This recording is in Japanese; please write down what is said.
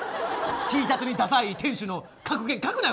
Ｔシャツにダサい店主の格言書くなよ！